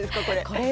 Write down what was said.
これ。